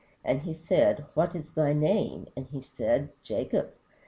And he said, What is thy name? and he said, Jacob.